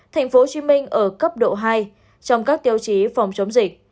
tp hcm ở cấp độ hai trong các tiêu chí phòng chống dịch